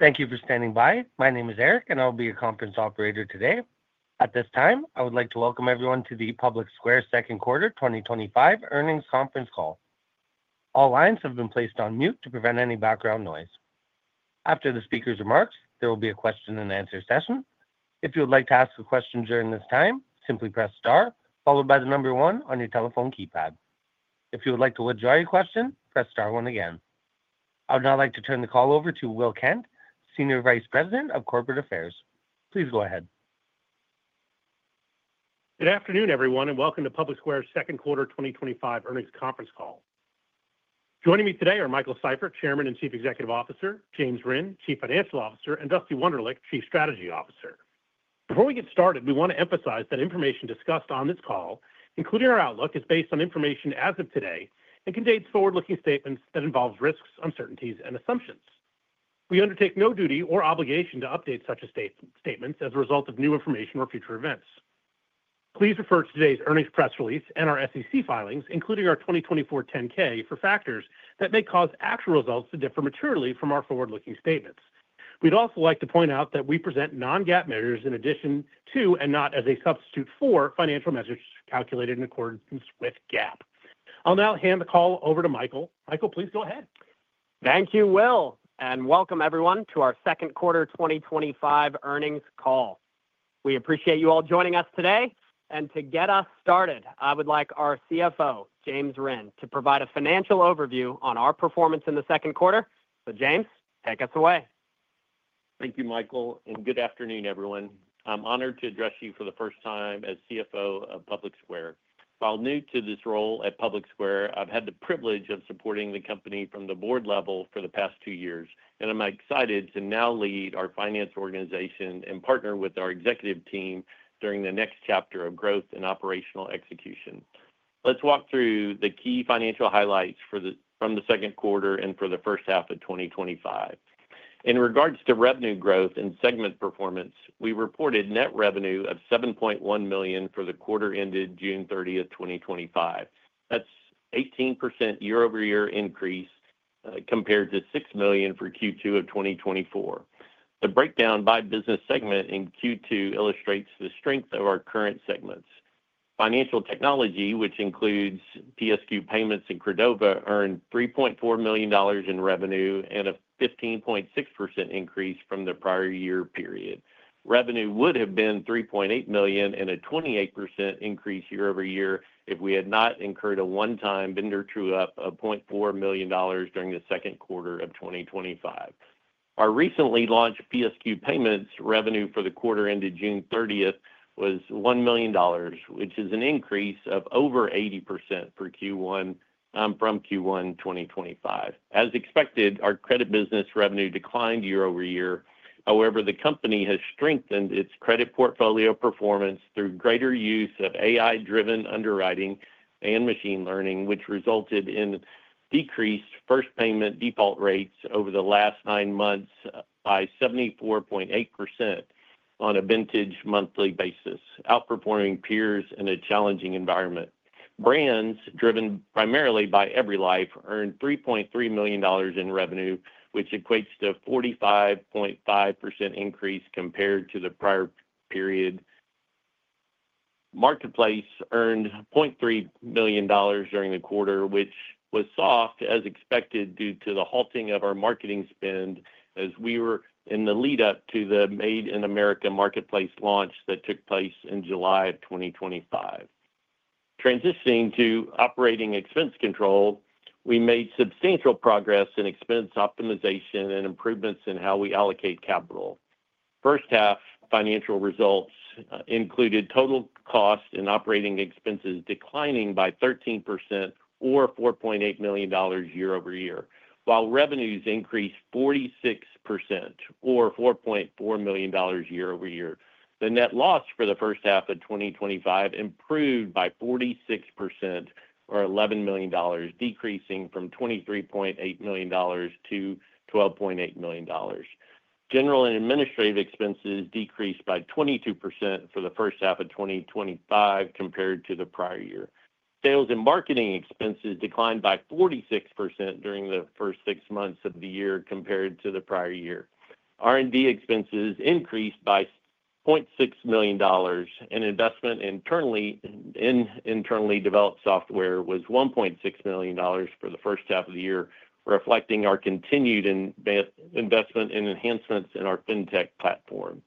Thank you for standing by. My name is Eric, and I'll be your conference operator today. At this time, I would like to welcome everyone to the PublicSquare second quarter 2025 earnings conference call. All lines have been placed on mute to prevent any background noise. After the speaker's remarks, there will be a question-and-answer session. If you would like to ask a question during this time, simply press star, followed by the number one on your telephone keypad. If you would like to withdraw your question, press star one again. I would now like to turn the call over to Will Kent, Senior Vice President of Corporate Affairs. Please go ahead. Good afternoon, everyone, and welcome to PublicSquare's second quarter 2025 earnings conference call. Joining me today are Michael Seifert, Chairman and Chief Executive Officer, James Rinn, Chief Financial Officer, and Dusty Wunderlich, Chief Strategy Officer. Before we get started, we want to emphasize that information discussed on this call, including our outlook, is based on information as of today and contains forward-looking statements that involve risks, uncertainties, and assumptions. We undertake no duty or obligation to update such statements as a result of new information or future events. Please refer to today's earnings press release and our SEC filings, including our 2024 10-K, for factors that may cause actual results to differ materially from our forward-looking statements. We'd also like to point out that we present non-GAAP measures in addition to and not as a substitute for financial measures calculated in accordance with GAAP. I'll now hand the call over to Michael. Michael, please go ahead. Thank you, Will, and welcome, everyone, to our second quarter 2025 earnings call. We appreciate you all joining us today. To get us started, I would like our CFO, James Rinn, to provide a financial overview on our performance in the second quarter. James, take us away. Thank you, Michael, and good afternoon, everyone. I'm honored to address you for the first time as CFO of PublicSquare. While new to this role at PublicSquare, I've had the privilege of supporting the company from the board level for the past two years, and I'm excited to now lead our finance organization and partner with our executive team during the next chapter of growth and operational execution. Let's walk through the key financial highlights from the second quarter and for the first-half of 2025. In regards to revenue growth and segment performance, we reported net revenue of $7.1 million for the quarter ended June 30th, 2025. That's an 18% year-over-year increase compared to $6 million for Q2 of 2024. The breakdown by business segment in Q2 illustrates the strength of our current segments. Financial technology, which includes PSQ Payments and Credova, earned $3.4 million in revenue and a 15.6% increase from the prior year period. Revenue would have been $3.8 million and a 28% increase year-over-year if we had not incurred a one-time vendor true-up of $0.4 million during the second quarter of 2025. Our recently launched PSQ Payments revenue for the quarter ended June 30th was $1 million, which is an increase of over 80% from Q1 2025. As expected, our credit business revenue declined year-over-year. However, the company has strengthened its credit portfolio performance through greater use of AI-driven underwriting and machine learning, which resulted in decreased first payment default rates over the last nine months by 74.8% on a vintage monthly basis, outperforming peers in a challenging environment. Brands driven primarily by EveryLife earned $3.3 million in revenue, which equates to a 45.5% increase compared to the prior period. Marketplace earned $0.3 million during the quarter, which was soft, as expected, due to the halting of our marketing spend as we were in the lead-up to the Made in America Marketplace launch that took place in July of 2025. Transitioning to operating expense control, we made substantial progress in expense optimization and improvements in how we allocate capital. First-half financial results included total cost and operating expenses declining by 13% or $4.8 million year-over-year, while revenues increased 46% or $4.4 million year-over-year. The net loss for the first-half of 2025 improved by 46% or $11 million, decreasing from $23.8 million-$12.8 million. General and administrative expenses decreased by 22% for the first-half of 2025 compared to the prior year. Sales and marketing expenses declined by 46% during the first six months of the year compared to the prior year. R&D expenses increased by $0.6 million, and investment in internally developed software was $1.6 million for the first-half of the year, reflecting our continued investment in enhancements in our fintech platform.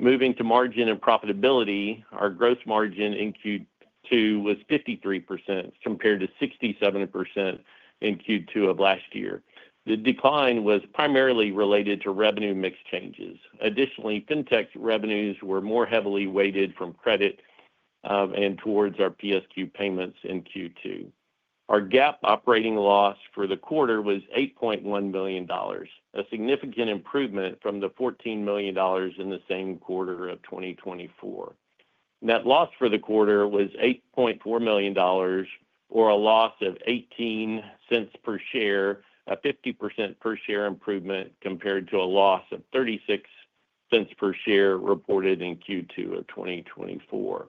Moving to margin and profitability, our gross margin in Q2 was 53% compared to 67% in Q2 of last year. The decline was primarily related to revenue mix shifts. Additionally, fintech revenues were more heavily weighted from credit and towards our PSQ Payments in Q2. Our GAAP operating loss for the quarter was $8.1 million, a significant improvement from the $14 million in the same quarter of 2024. Net loss for the quarter was $8.4 million, or a loss of $0.18 per share, a 50% per share improvement compared to a loss of $0.36 per share reported in Q2 of 2024.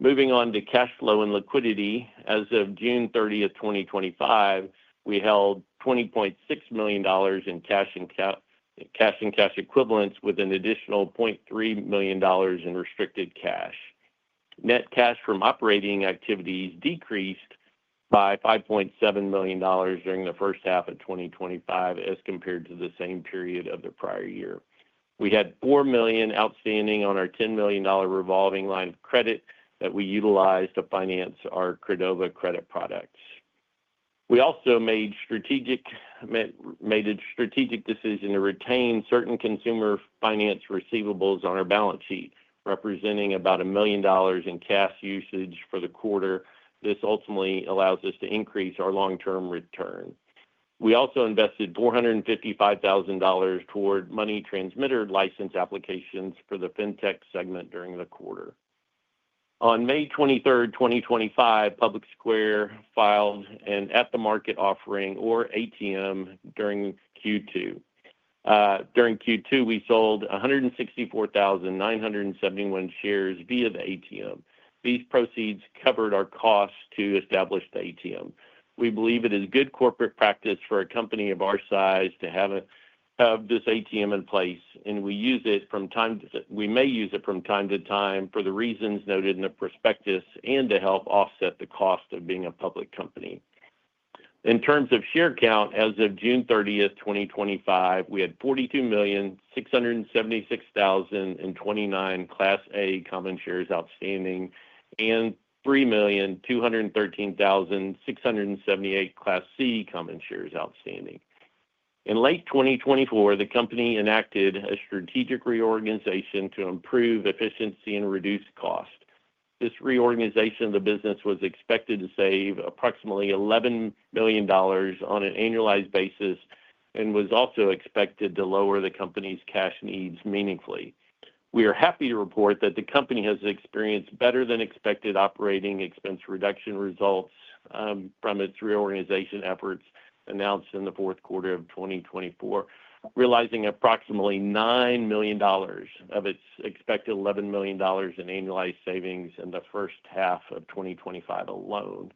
Moving on to cash flow and liquidity, as of June 30th, 2025, we held $20.6 million in cash and cash equivalents with an additional $0.3 million in restricted cash. Net cash from operating activities decreased by $5.7 million during the first-half of 2025 as compared to the same period of the prior year. We had $4 million outstanding on our $10 million revolving line of credit that we utilized to finance our Credova credit products. We also made a strategic decision to retain certain consumer finance receivables on our balance sheet, representing about $1 million in cash usage for the quarter. This ultimately allows us to increase our long-term return. We also invested $455,000 toward money transmitter license applications for the fintech segment during the quarter. On May 23, 2025, PublicSquare filed an ATM offering during Q2. During Q2, we sold 164,971 shares via the ATM. These proceeds covered our costs to establish the ATM. We believe it is good corporate practice for a company of our size to have this ATM in place, and we use it from time-to-time. We may use it from time-to-time for the reasons noted in the prospectus and to help offset the cost of being a public company. In terms of share count, as of June 30th, 2025, we had 42,676,029 Class A common shares outstanding and 3,213,678 Class C common shares outstanding. In late 2024, the company enacted a strategic reorganization to improve efficiency and reduce cost. This reorganization of the business was expected to save approximately $11 million on an annualized basis and was also expected to lower the company's cash needs meaningfully. We are happy to report that the company has experienced better than expected operating expense reduction results from its reorganization efforts announced in the fourth quarter of 2024, realizing approximately $9 million of its expected $11 million in annualized savings in the first-half of 2025 alone.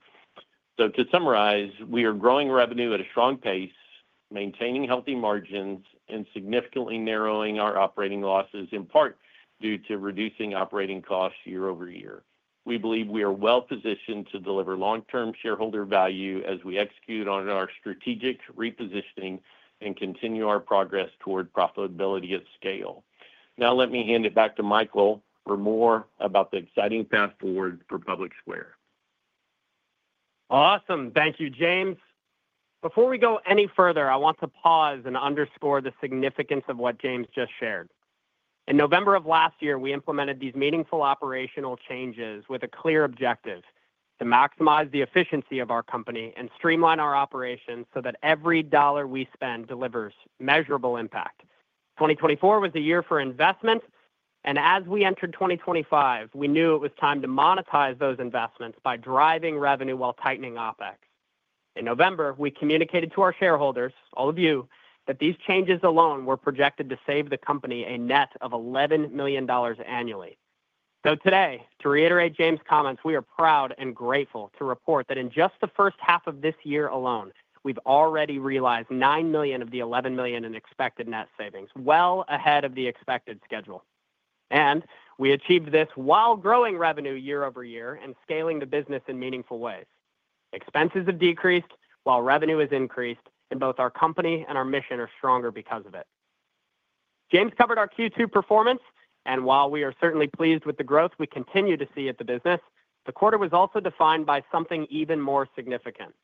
To summarize, we are growing revenue at a strong pace, maintaining healthy margins, and significantly narrowing our operating losses in part due to reducing operating costs year-over-year. We believe we are well positioned to deliver long-term shareholder value as we execute on our strategic repositioning and continue our progress toward profitability at scale. Now, let me hand it back to Michael for more about the exciting path forward for PublicSquare. Awesome. Thank you, James. Before we go any further, I want to pause and underscore the significance of what James just shared. In November of last year, we implemented these meaningful operational changes with a clear objective: to maximize the efficiency of our company and streamline our operations so that every dollar we spend delivers measurable impact. 2024 was a year for investments, and as we entered 2025, we knew it was time to monetize those investments by driving revenue while tightening OpEx. In November, we communicated to our shareholders, all of you, that these changes alone were projected to save the company a net of $11 million annually. Today, to reiterate James' comments, we are proud and grateful to report that in just the first-half of this year alone, we've already realized $9 million of the $11 million in expected net savings, well ahead of the expected schedule. We achieved this while growing revenue year-over-year and scaling the business in meaningful ways. Expenses have decreased while revenue has increased, and both our company and our mission are stronger because of it. James covered our Q2 performance, and while we are certainly pleased with the growth we continue to see at the business, the quarter was also defined by something even more significant: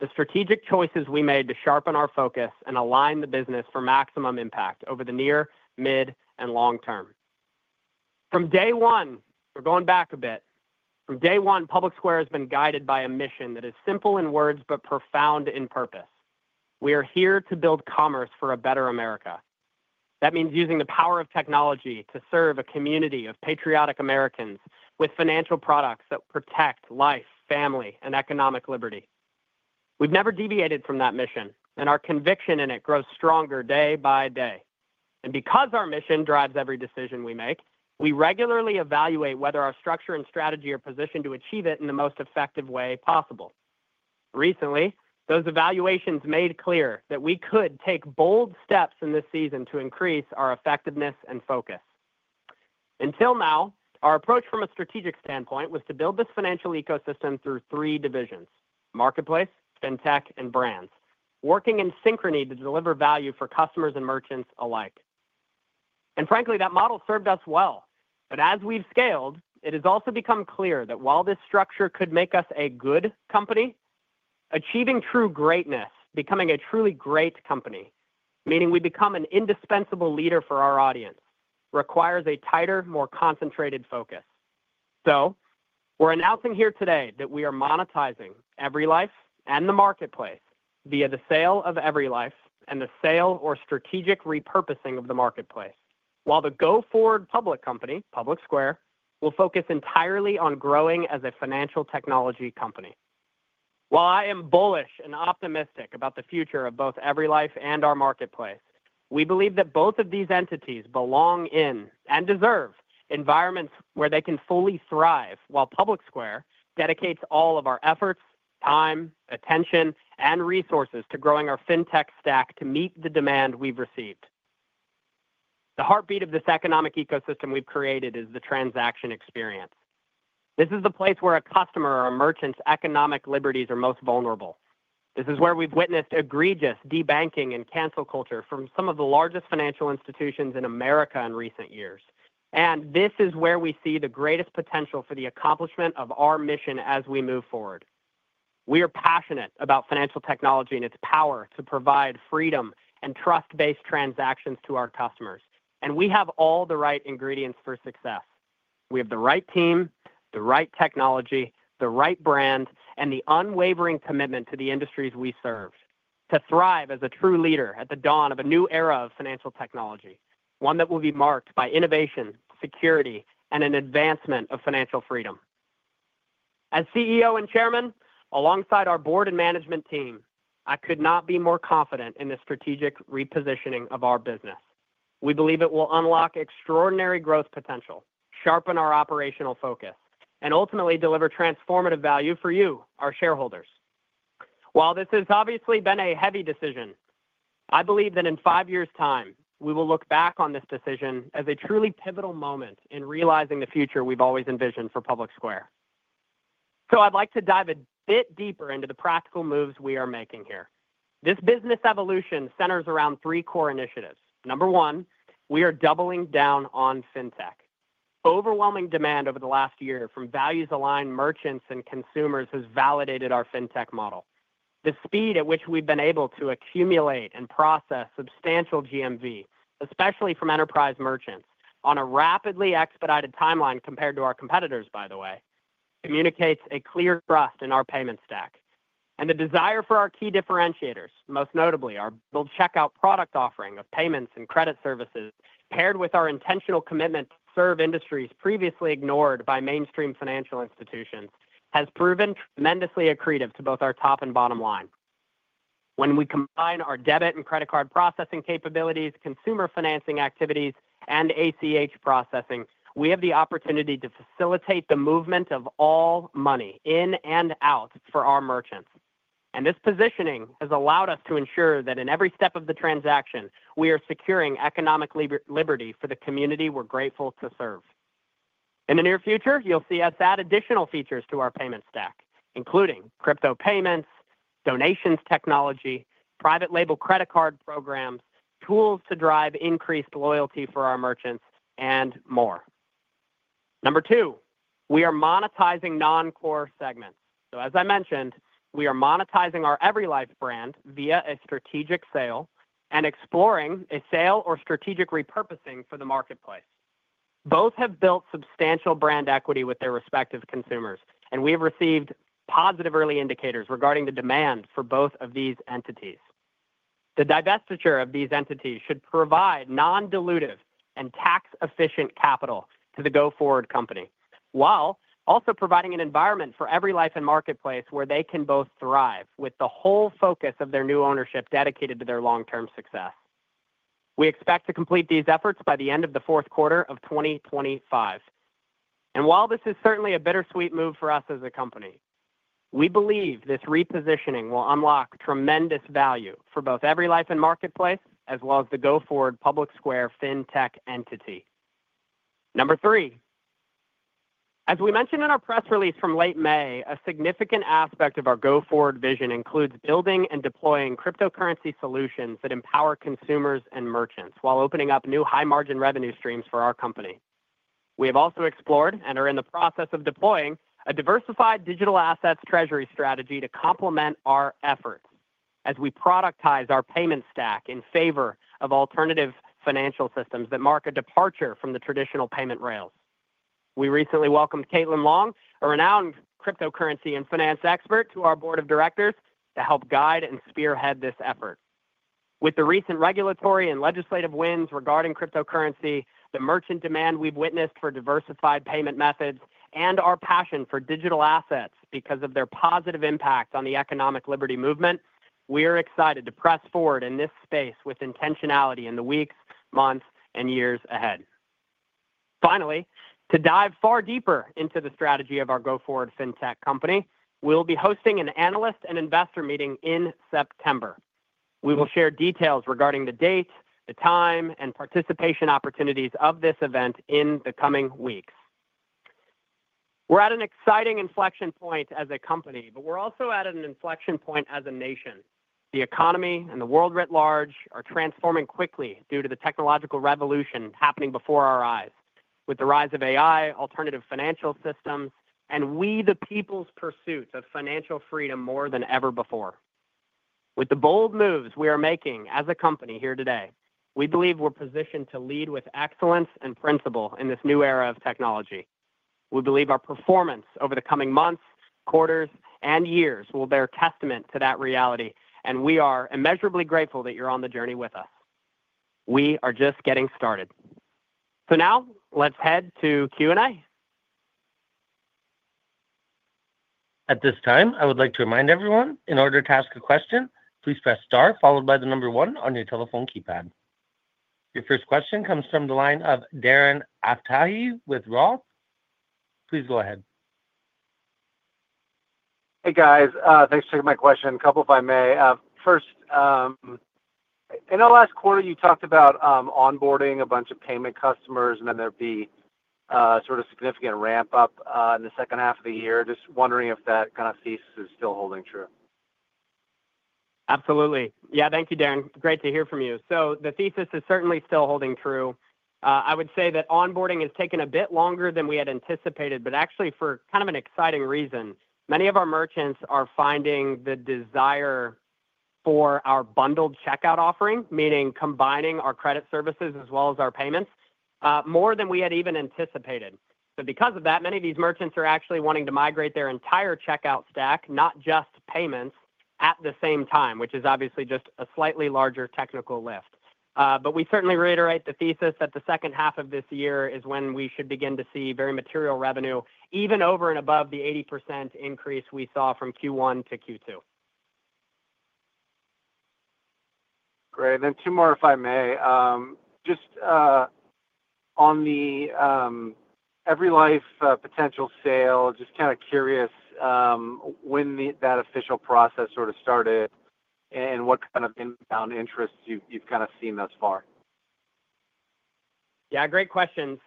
the strategic choices we made to sharpen our focus and align the business for maximum impact over the near, mid, and long-term. From day one, we're going back a bit. From day one, PublicSquare has been guided by a mission that is simple in words but profound in purpose. We are here to build commerce for a better America. That means using the power of technology to serve a community of patriotic Americans with financial products that protect life, family, and economic liberty. We've never deviated from that mission, and our conviction in it grows stronger day-by-day. Because our mission drives every decision we make, we regularly evaluate whether our structure and strategy are positioned to achieve it in the most effective way possible. Recently, those evaluations made clear that we could take bold steps in this season to increase our effectiveness and focus. Until now, our approach from a strategic standpoint was to build this financial ecosystem through three divisions: Marketplace, Fintech, and Brands, working in synchrony to deliver value for customers and merchants alike. Frankly, that model served us well. As we've scaled, it has also become clear that while this structure could make us a good company, achieving true greatness, becoming a truly great company, meaning we become an indispensable leader for our audience, requires a tighter, more concentrated focus. We're announcing here today that we are monetizing EveryLife and the marketplace via the sale of EveryLife and the sale or strategic repurposing of the marketplace, while the go-forward public company, PublicSquare, will focus entirely on growing as a financial technology company. While I am bullish and optimistic about the future of both EveryLife and our marketplace, we believe that both of these entities belong in and deserve environments where they can fully thrive, while PublicSquare dedicates all of our efforts, time, attention, and resources to growing our fintech stack to meet the demand we've received. The heartbeat of this economic ecosystem we've created is the transaction experience. This is the place where a customer or a merchant's economic liberties are most vulnerable. This is where we've witnessed egregious debanking and cancel culture from some of the largest financial institutions in America in recent years. This is where we see the greatest potential for the accomplishment of our mission as we move forward. We are passionate about financial technology and its power to provide freedom and trust-based transactions to our customers. We have all the right ingredients for success. We have the right team, the right technology, the right brand, and the unwavering commitment to the industries we serve to thrive as a true leader at the dawn of a new era of financial technology, one that will be marked by innovation, security, and an advancement of financial freedom. As CEO and Chairman, alongside our board and management team, I could not be more confident in the strategic repositioning of our business. We believe it will unlock extraordinary growth potential, sharpen our operational focus, and ultimately deliver transformative value for you, our shareholders. While this has obviously been a heavy decision, I believe that in five years' time, we will look back on this decision as a truly pivotal moment in realizing the future we've always envisioned for PublicSquare. I'd like to dive a bit deeper into the practical moves we are making here. This business evolution centers around three core initiatives. Number one, we are doubling down on Fintech. Overwhelming demand over the last year from values-aligned merchants and consumers has validated our fintech model. The speed at which we've been able to accumulate and process substantial GMV, especially from enterprise merchants on a rapidly expedited timeline compared to our competitors, by the way, communicates a clear trust in our payment stack. The desire for our key differentiators, most notably our built-checkout product offering of payments and credit services, paired with our intentional commitment to serve industries previously ignored by mainstream financial institutions, has proven tremendously accretive to both our top and bottom line. When we combine our debit and credit card processing capabilities, consumer financing activities, and ACH processing, we have the opportunity to facilitate the movement of all money in and out for our merchants. This positioning has allowed us to ensure that in every step of the transaction, we are securing economic liberty for the community we're grateful to serve. In the near future, you'll see us add additional features to our payment stack, including crypto payments, donations technology, private label credit card programs, tools to drive increased loyalty for our merchants, and more. Number two, we are monetizing non-core segments. As I mentioned, we are monetizing our EveryLife brand via a strategic sale and exploring a sale or strategic repurposing for the marketplace. Both have built substantial brand equity with their respective consumers, and we have received positive early indicators regarding the demand for both of these entities. The divestiture of these entities should provide non-dilutive and tax-efficient capital to the go-forward company, while also providing an environment for EveryLife and Marketplace where they can both thrive with the whole focus of their new ownership dedicated to their long-term success. We expect to complete these efforts by the end of the fourth quarter of 2025. While this is certainly a bittersweet move for us as a company, we believe this repositioning will unlock tremendous value for both EveryLife and Marketplace, as well as the go-forward PublicSquare fintech entity. Number three, as we mentioned in our press release from late May, a significant aspect of our go-forward vision includes building and deploying cryptocurrency solutions that empower consumers and merchants while opening up new high-margin revenue streams for our company. We have also explored and are in the process of deploying a diversified digital assets treasury strategy to complement our efforts as we productize our payment stack in favor of alternative financial systems that mark a departure from the traditional payment rails. We recently welcomed Caitlin Long, a renowned cryptocurrency and finance expert, to our Board of Directors to help guide and spearhead this effort. With the recent regulatory and legislative wins regarding cryptocurrency, the merchant demand we've witnessed for diversified payment methods, and our passion for digital assets because of their positive impact on the economic liberty movement, we are excited to press forward in this space with intentionality in the weeks, months, and years ahead. Finally, to dive far deeper into the strategy of our go-forward fintech company, we'll be hosting an analyst and investor meeting in September. We will share details regarding the date, the time, and participation opportunities of this event in the coming weeks. We're at an exciting inflection point as a company, but we're also at an inflection point as a nation. The economy and the world at large are transforming quickly due to the technological revolution happening before our eyes, with the rise of AI, alternative financial systems, and we, the people's pursuit of financial freedom more than ever before. With the bold moves we are making as a company here today, we believe we're positioned to lead with excellence and principle in this new era of technology. We believe our performance over the coming months, quarters, and years will bear testament to that reality, and we are immeasurably grateful that you're on the journey with us. We are just getting started. Now, let's head to Q&A. At this time, I would like to remind everyone, in order to ask a question, please press star followed by the number one on your telephone keypad. Your first question comes from the line of Darren Aftahi with Roth. Please go ahead. Hey, guys. Thanks for taking my question, a couple if I may. First, I know last quarter you talked about onboarding a bunch of payment customers, and then there'd be a sort of significant ramp-up in the second half of the year. Just wondering if that kind of thesis is still holding true. Absolutely. Yeah, thank you, Darren. Great to hear from you. The thesis is certainly still holding true. I would say that onboarding has taken a bit longer than we had anticipated, actually for kind of an exciting reason. Many of our merchants are finding the desire for our bundled checkout offering, meaning combining our credit services as well as our payments, more than we had even anticipated. Because of that, many of these merchants are actually wanting to migrate their entire checkout stack, not just payments, at the same time, which is obviously just a slightly larger technical lift. We certainly reiterate the thesis that the second half of this year is when we should begin to see very material revenue, even over and above the 80% increase we saw from Q1 to Q2. Great. Two more, if I may. On the EveryLife potential sale, just curious when that official process started and what kind of inbound interest you've seen thus far. Great question.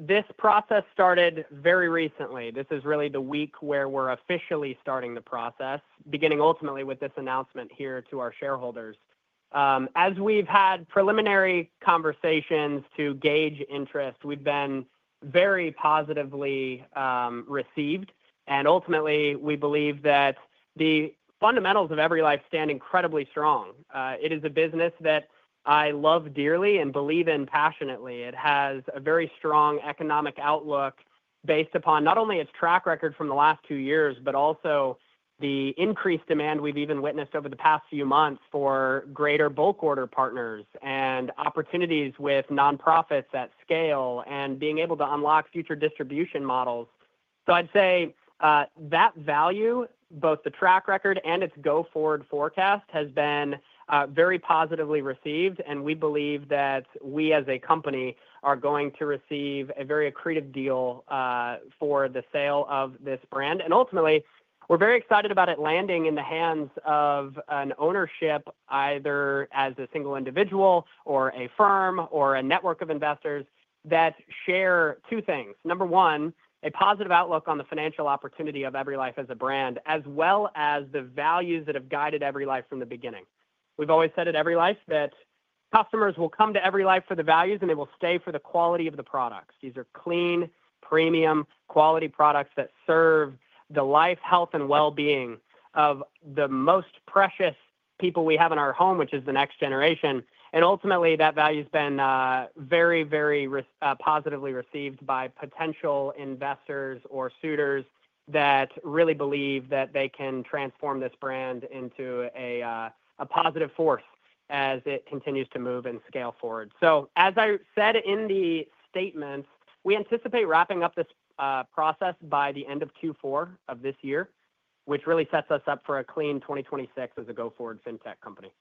This process started very recently. This is really the week where we're officially starting the process, beginning ultimately with this announcement here to our shareholders. As we've had preliminary conversations to gauge interest, we've been very positively received. We believe that the fundamentals of EveryLife stand incredibly strong. It is a business that I love dearly and believe in passionately. It has a very strong economic outlook based upon not only its track record from the last two years, but also the increased demand we've even witnessed over the past few months for greater bulk order partners and opportunities with nonprofits at scale and being able to unlock future distribution models. I'd say that value, both the track record and its go-forward forecast, has been very positively received, and we believe that we as a company are going to receive a very accretive deal for the sale of this brand. We're very excited about it landing in the hands of an ownership, either as a single individual or a firm or a network of investors that share two things. Number one, a positive outlook on the financial opportunity of EveryLife as a brand, as well as the values that have guided EveryLife from the beginning. We've always said at EveryLife that customers will come to EveryLife for the values, and they will stay for the quality of the products. These are clean, premium, quality products that serve the life, health, and well-being of the most precious people we have in our home, which is the next generation. That value has been very, very positively received by potential investors or suitors that really believe that they can transform this brand into a positive force as it continues to move and scale forward. As I said in the statement, we anticipate wrapping up this process by the end of Q4 of this year, which really sets us up for a clean 2026 as a go-forward fintech company.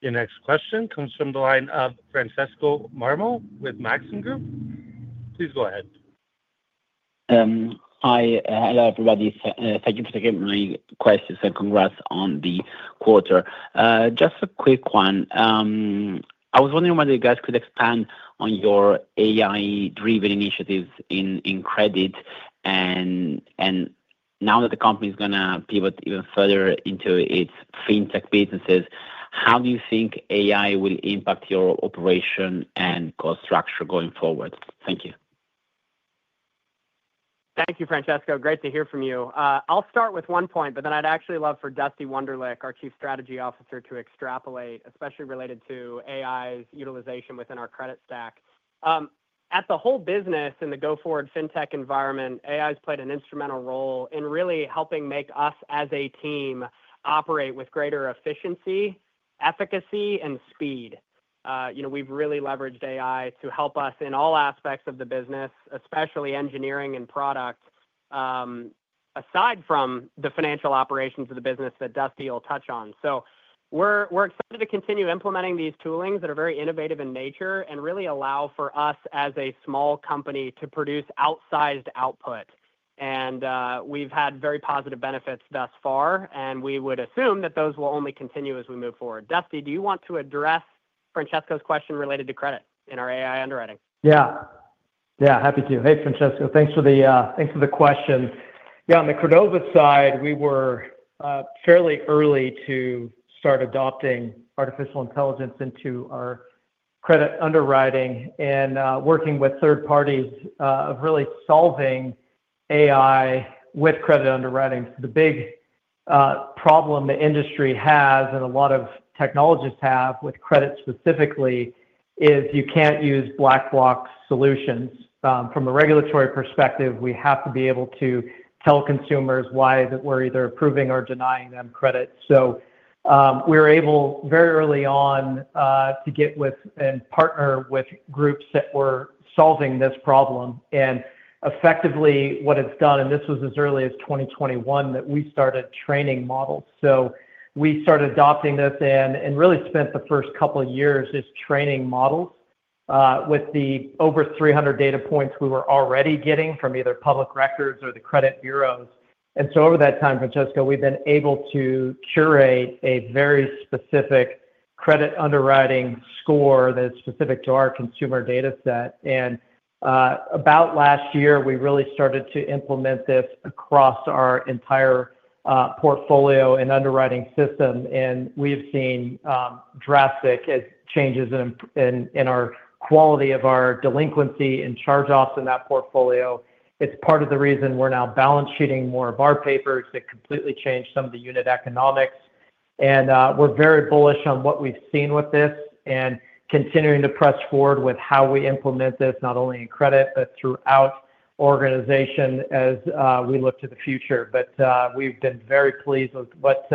Your next question comes from the line of Francesco Marmo with Maxim Group. Please go ahead. Hello everybody. Thank you for taking my questions. Congrats on the quarter. Just a quick one. I was wondering whether you guys could expand on your AI-driven initiatives in credit. Now that the company is going to pivot even further into its fintech businesses, how do you think AI will impact your operation and cost structure going forward? Thank you. Thank you, Francesco. Great to hear from you. I'll start with one point, but then I'd actually love for Dusty Wunderlich, our Chief Strategy Officer, to extrapolate, especially related to AI's utilization within our credit stack. At the whole business in the go-forward fintech environment, AI has played an instrumental role in really helping make us as a team operate with greater efficiency, efficacy, and speed. We've really leveraged AI to help us in all aspects of the business, especially engineering and product, aside from the financial operations of the business that Dusty will touch on. We're excited to continue implementing these toolings that are very innovative in nature and really allow for us as a small company to produce outsized output. We've had very positive benefits thus far, and we would assume that those will only continue as we move forward. Dusty, do you want to address Francesco's question related to credit in our AI underwriting? Yeah, happy to. Hey, Francesco, thanks for the question. On the Credova side, we were fairly early to start adopting artificial intelligence into our credit underwriting and working with third-parties on really solving AI with credit underwriting. The big problem the industry has and a lot of technologists have with credit specifically is you can't use black-box solutions. From a regulatory perspective, we have to be able to tell consumers why we're either approving or denying them credit. We were able very early on to get with and partner with groups that were solving this problem. Effectively, what it's done, and this was as early as 2021, is that we started training models. We started adopting this and really spent the first couple of years just training models with the over 300 data points we were already getting from either public records or the credit bureaus. Over that time, Francesco, we've been able to curate a very specific credit underwriting score that is specific to our consumer data set. About last year, we really started to implement this across our entire portfolio and underwriting system. We have seen drastic changes in the quality of our delinquency and charge-offs in that portfolio. It's part of the reason we're now balance sheeting more of our papers. It completely changed some of the unit economics. We're very bullish on what we've seen with this and continuing to press forward with how we implement this not only in credit but throughout the organization as we look to the future. We've been very pleased with what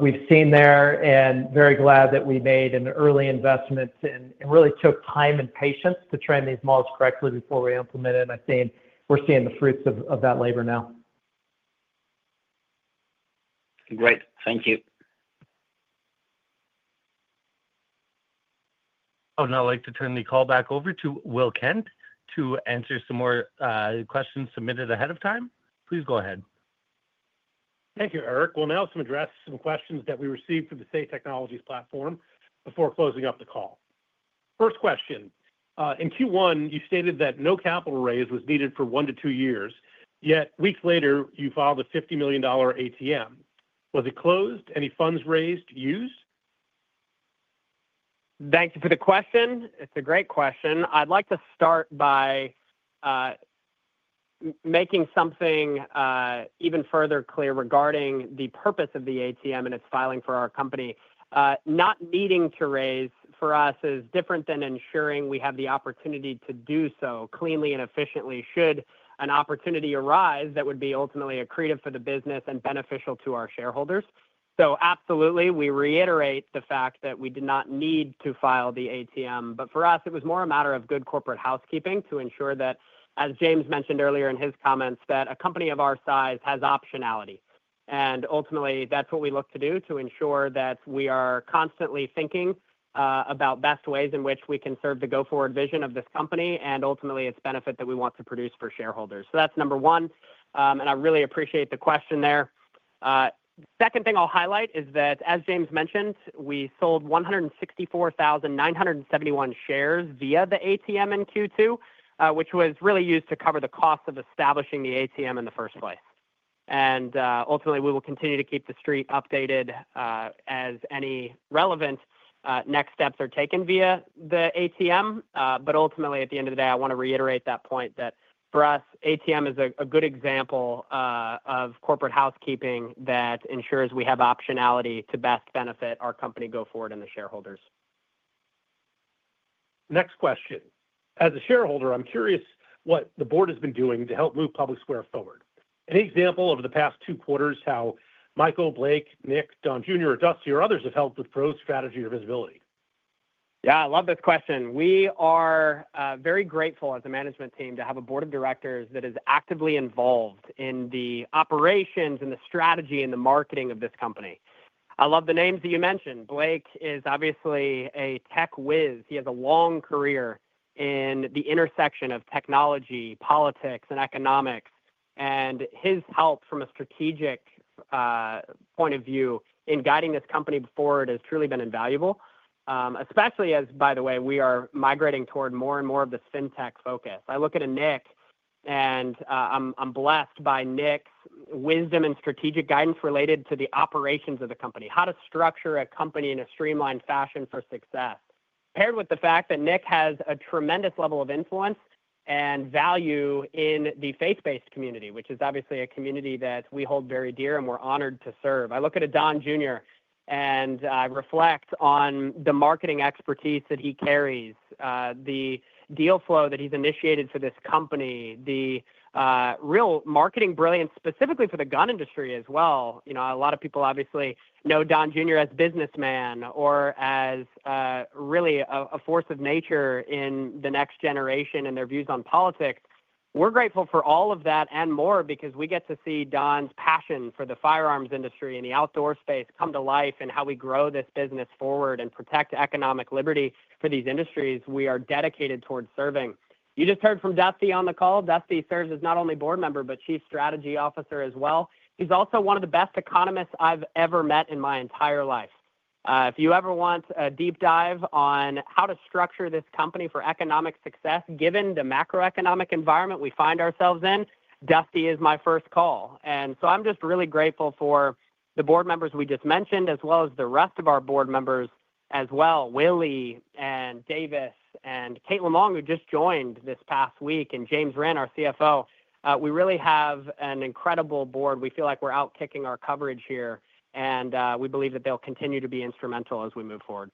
we've seen there and very glad that we made an early investment and really took time and patience to train these models correctly before we implemented. I think we're seeing the fruits of that labor now. Great, thank you. I would now like to turn the call back over to Will Kent to answer some more questions submitted ahead of time. Please go ahead. Thank you, Eric. We'll now address some questions that we received from the Safe Technologies platform before closing up the call. First question. In Q1, you stated that no capital raise was needed for one to two years, yet weeks later, you filed a $50 million ATM. Was it closed? Any funds raised used? Thank you for the question. It's a great question. I'd like to start by making something even further clear regarding the purpose of the ATM and its filing for our company. Not needing to raise for us is different than ensuring we have the opportunity to do so cleanly and efficiently should an opportunity arise that would be ultimately accretive for the business and beneficial to our shareholders. Absolutely, we reiterate the fact that we did not need to file the ATM. For us, it was more a matter of good corporate housekeeping to ensure that, as James mentioned earlier in his comments, a company of our size has optionality. Ultimately, that's what we look to do to ensure that we are constantly thinking about best ways in which we can serve the go-forward vision of this company and ultimately its benefit that we want to produce for shareholders. That's number one. I really appreciate the question there. The second thing I'll highlight is that, as James mentioned, we sold 164,971 shares via the ATM in Q2, which was really used to cover the cost of establishing the ATM in the first place. Ultimately, we will continue to keep the street updated as any relevant next steps are taken via the ATM. Ultimately, at the end of the day, I want to reiterate that point that for us, ATM is a good example of corporate housekeeping that ensures we have optionality to best benefit our company go forward and the shareholders. Next question. As a shareholder, I'm curious what the board has been doing to help move PublicSquare forward. Any example over the past two quarters how Michael, Blake, Nick, Don Jr., or Dusty, or others have helped with growth, strategy, or visibility? Yeah, I love this question. We are very grateful as a management team to have a board of directors that is actively involved in the operations, the strategy, and the marketing of this company. I love the names that you mentioned. Blake is obviously a tech whiz. He has a long career in the intersection of technology, politics, and economics, and his help from a strategic point of view in guiding this company forward has truly been invaluable, especially as, by the way, we are migrating toward more and more of this fintech focus. I look into Nick, and I'm blessed by Nick's wisdom and strategic guidance related to the operations of the company, how to structure a company in a streamlined fashion for success, paired with the fact that Nick has a tremendous level of influence and value in the faith-based community, which is obviously a community that we hold very dear and we're honored to serve. I look into Don Jr., and I reflect on the marketing expertise that he carries, the deal flow that he's initiated for this company, the real marketing brilliance specifically for the gun industry as well. You know, a lot of people obviously know Don Jr. as a businessman or as really a force of nature in the next generation and their views on politics. We're grateful for all of that and more because we get to see Don's passion for the firearms industry and the outdoor space come to life and how we grow this business forward and protect economic liberty for these industries we are dedicated toward serving. You just heard from Dusty on the call. Dusty serves as not only Board Member but Chief Strategy Officer as well. He's also one of the best economists I've ever met in my entire life. If you ever want a deep dive on how to structure this company for economic success, given the macroeconomic environment we find ourselves in, Dusty is my first call. I'm just really grateful for the board members we just mentioned, as well as the rest of our Board Members as well, Willie and Davis and Caitlin Long, who just joined this past week, and James Rinn, our CFO. We really have an incredible board. We feel like we're outkicking our coverage here, and we believe that they'll continue to be instrumental as we move forward.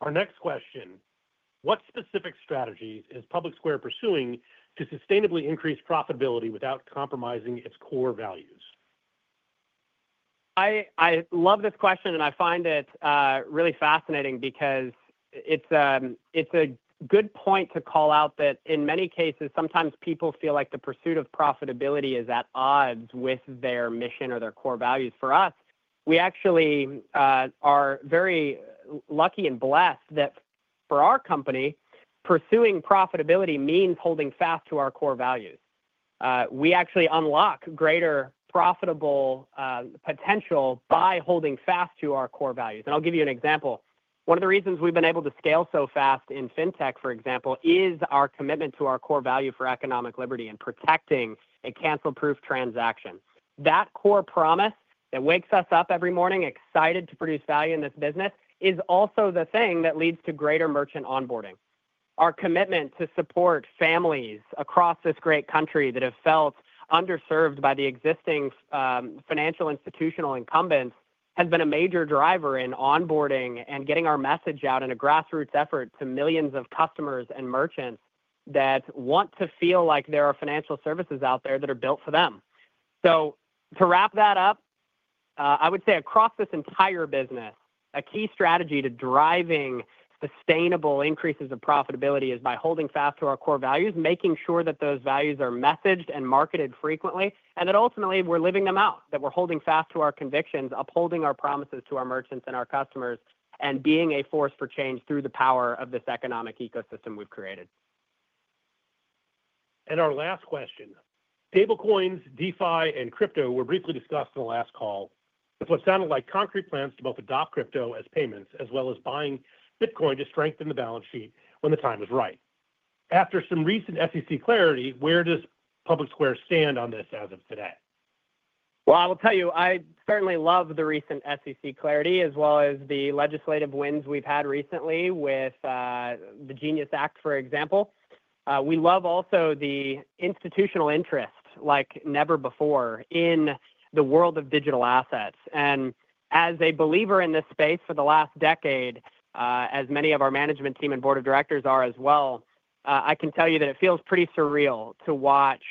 Our next question. What specific strategies is PublicSquare pursuing to sustainably increase profitability without compromising its core values? I love this question, and I find it really fascinating because it's a good point to call out that in many cases, sometimes people feel like the pursuit of profitability is at odds with their mission or their core values. For us, we actually are very lucky and blessed that for our company, pursuing profitability means holding fast to our core values. We actually unlock greater profitable potential by holding fast to our core values. I'll give you an example. One of the reasons we've been able to scale so fast in Fintech, for example, is our commitment to our core value for economic liberty and protecting a cancel-proof transaction. That core promise that wakes us up every morning, excited to produce value in this business, is also the thing that leads to greater merchant onboarding. Our commitment to support families across this great country that have felt underserved by the existing financial institutional incumbents has been a major driver in onboarding and getting our message out in a grassroots effort to millions of customers and merchants that want to feel like there are financial services out there that are built for them. To wrap that up, I would say across this entire business, a key strategy to driving sustainable increases of profitability is by holding fast to our core values, making sure that those values are messaged and marketed frequently, and that ultimately we're living them out, that we're holding fast to our convictions, upholding our promises to our merchants and our customers, and being a force for change through the power of this economic ecosystem we've created. Our last question. Stablecoins, DeFi, and Crypto were briefly discussed in the last call. It sounded like concrete plans to both adopt crypto as payments, as well as buying Bitcoin to strengthen the balance sheet when the time is right. After some recent SEC clarity, where does PublicSquare stand on this as of today? I certainly love the recent SEC clarity, as well as the legislative wins we've had recently with the GENIUS Act, for example. We love also the institutional interest like never before in the world of digital assets. As a believer in this space for the last decade, as many of our management team and board of directors are as well, I can tell you that it feels pretty surreal to watch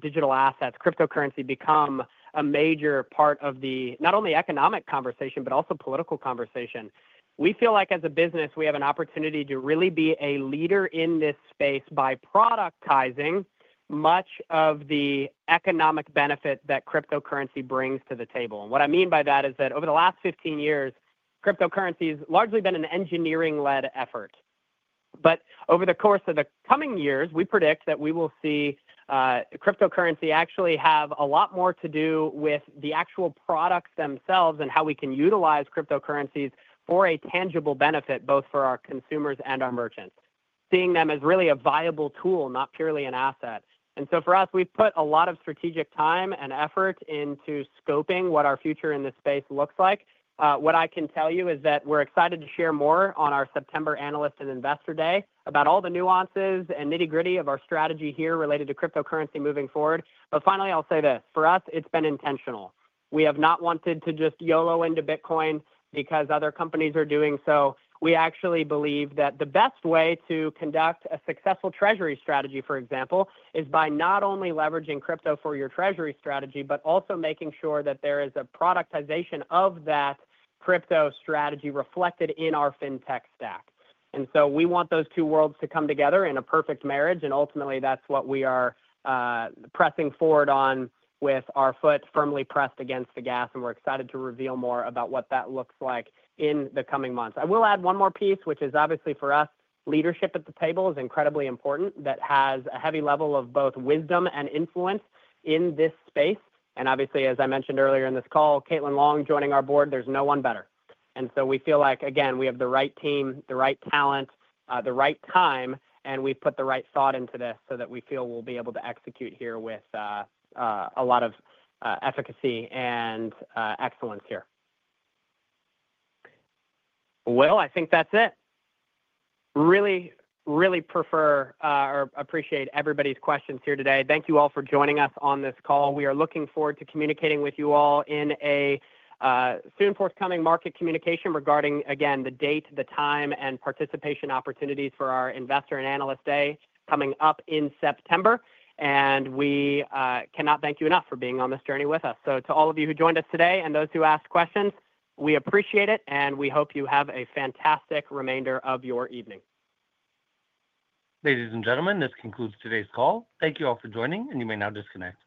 digital assets, cryptocurrency become a major part of not only the economic conversation but also the political conversation. We feel like as a business, we have an opportunity to really be a leader in this space by productizing much of the economic benefit that cryptocurrency brings to the table. What I mean by that is that over the last 15 years, cryptocurrency has largely been an engineering-led effort. Over the course of the coming years, we predict that we will see cryptocurrency actually have a lot more to do with the actual products themselves and how we can utilize cryptocurrencies for a tangible benefit both for our consumers and our merchants, seeing them as really a viable tool, not purely an asset. For us, we've put a lot of strategic time and effort into scoping what our future in this space looks like. What I can tell you is that we're excited to share more on our September Analyst and Investor Day about all the nuances and nitty-gritty of our strategy here related to cryptocurrency moving forward. Finally, I'll say this. For us, it's been intentional. We have not wanted to just go into Bitcoin because other companies are doing so. We actually believe that the best way to conduct a successful treasury strategy, for example, is by not only leveraging crypto for your treasury strategy, but also making sure that there is a productization of that crypto strategy reflected in our fintech stack. We want those two worlds to come together in a perfect marriage. Ultimately, that's what we are pressing forward on with our foot firmly pressed against the gas. We're excited to reveal more about what that looks like in the coming months. I will add one more piece, which is obviously for us, leadership at the table is incredibly important. That has a heavy level of both wisdom and influence in this space. Obviously, as I mentioned earlier in this call, Caitlin Long joining our board, there's no one better. We feel like, again, we have the right team, the right talent, the right time, and we've put the right thought into this so that we feel we'll be able to execute here with a lot of efficacy and excellence. I think that's it. Really, really appreciate everybody's questions here today. Thank you all for joining us on this call. We are looking forward to communicating with you all in a soon forthcoming market communication regarding, again, the date, the time, and participation opportunities for our Investor and Analyst Day coming up in September. We cannot thank you enough for being on this journey with us. To all of you who joined us today and those who asked questions, we appreciate it, and we hope you have a fantastic remainder of your evening. Ladies and gentlemen, this concludes today's call. Thank you all for joining, and you may now disconnect.